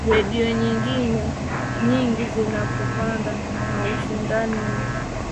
redio nyingi zinapambana na ushindani huo